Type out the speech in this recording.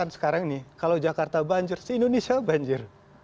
sekarang ini kalau jakarta banjir indonesia banjir